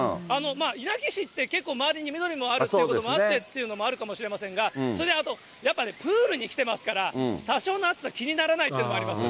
稲城市って、結構周りに緑があるということもあってっていうのもあるかもしれませんが、それとあとプールに来てますから、多少の暑さ、気にならないということもあります。